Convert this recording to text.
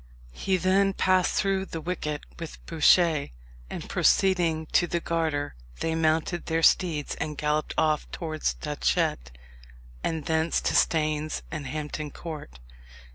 He then passed through the wicket with Bouchier, and proceeding to the Garter, they mounted their steeds, and galloped off towards Datchet, and thence to Staines and Hampton Court.